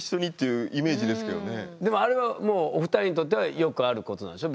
でもあれはお二人にとってはよくあることなんでしょ？